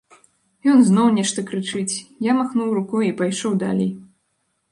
Ён зноў нешта крычыць, я махнуў рукой і пайшоў далей.